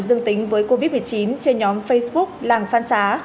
dương tính với covid một mươi chín trên nhóm facebook làng phan xá